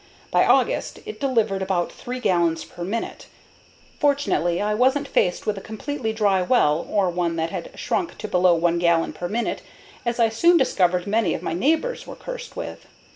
By August it delivered about 3 gallons per minute. Fortunately, I wasn't faced with a completely dry well or one that had shrunk to below 1 gallon per minute, as I soon discovered many of my neighbors were cursed with.